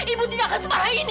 ibu tidak akan semarah ini